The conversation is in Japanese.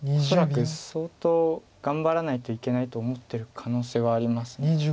恐らく相当頑張らないといけないと思ってる可能性はあります。